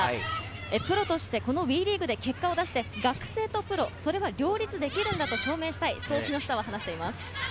プロとしてＷＥリーグで結果を出して、学生とプロ、両立できると証明したいと木下が話しています。